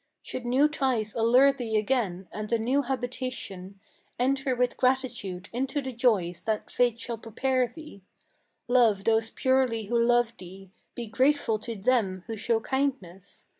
Should new ties allure thee again, and a new habitation, Enter with gratitude into the joys that fate shall prepare thee; Love those purely who love thee; be grateful to them who show kindness.